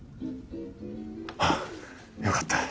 あよかった。